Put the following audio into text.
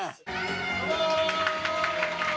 どうも！